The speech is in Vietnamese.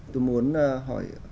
tôi muốn hỏi